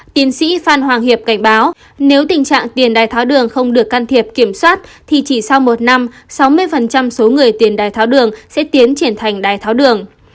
tiến sĩ phan hoàng hiệp cảnh báo nếu tình trạng tiền đài tháo đường không được can thiệp kiểm soát thì chỉ sau một năm sáu mươi số người tiền đai tháo đường sẽ tiến triển thành đai tháo đường